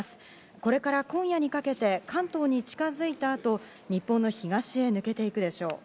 これから今夜にかけて関東に近づいた後、日本の東へ抜けていくでしょう。